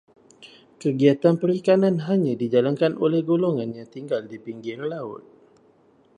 Kegiatan perikanan hanya dijalankan oleh golongan yang tinggal di pinggir laut.